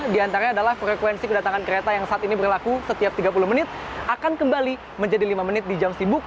di antaranya adalah frekuensi kedatangan kereta yang saat ini berlaku setiap tiga puluh menit akan kembali menjadi lima menit di jam sibuk